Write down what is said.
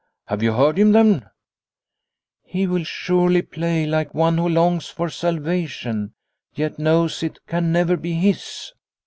" Have you heard him then ?"" He will surely play like one who longs for salvation, yet knows it can never be his."